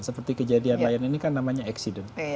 seperti kejadian lion ini kan namanya accident